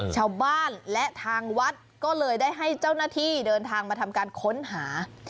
ชาวบ้านและทางวัดก็เลยได้ให้เจ้าหน้าที่เดินทางมาทำการค้นหา